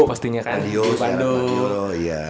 pastinya kan di bandung